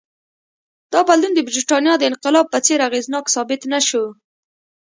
دا بدلون د برېټانیا د انقلاب په څېر اغېزناک ثابت نه شو.